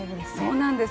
そうなんです。